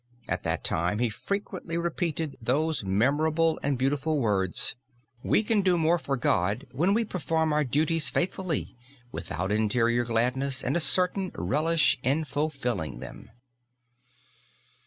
At that time he frequently repeated those memorable and beautiful words: "We can do more for God when we perform our duties faithfully, without interior gladness and a certain relish in fulfilling them."